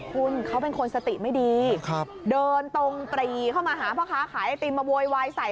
คุณเขาเป็นคนสติไม่ดีเดินตรงปรีเข้ามาหาพ่อค้าขายไอติมมาโวยวายใส่